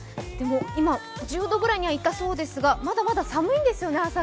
今、１０度ぐらいにはいったそうですが、まだまだ朝が寒いんですよね。